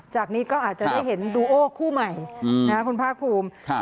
จากนี้ก็อาจจะได้เห็นดูโอ้คู่ใหม่คุณพระภูมิ